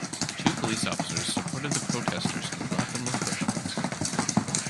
Two police officers supported the protesters and brought them refreshments.